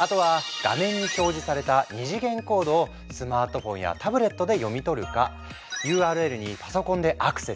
あとは画面に表示された二次元コードをスマートフォンやタブレットで読み取るかＵＲＬにパソコンでアクセス！